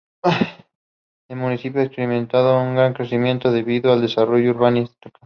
El municipio ha experimentado un gran crecimiento debido al desarrollo urbanístico.